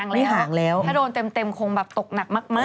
ไม่ห่างแล้วถ้าโดนเต็มคงตกหนักมาก